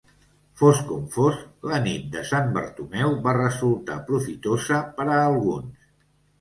Fos com fos, la nit de Sant Bartomeu va resultar profitosa per a alguns.